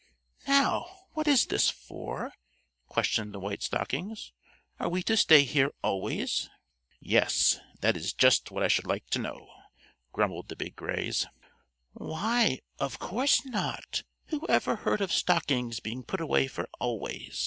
"Now, what is this for?" questioned the White Stockings. "Are we to stay here always?" "Yes; that is just what I should like to know," grumbled the Big Grays. "Why, of course not! Who ever heard of stockings being put away for always?"